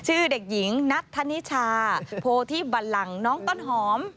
เด็กหญิงนัทธนิชาโพธิบัลลังน้องต้นหอม